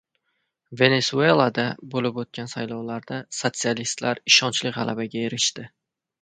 Venesuelada bo‘lib o‘tgan saylovlarda sotsialistlar ishonchli g‘alabaga erishdi